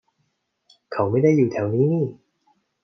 เขาไม่ได้อยู่แถวนี้นี่